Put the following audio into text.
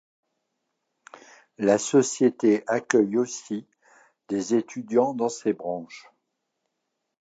La société accueille aussi des étudiants dans ces branches.